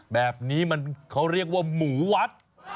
แบบนี้มันเขาเรียกว่าหมูวัด